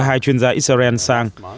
hai chuyên gia israel sang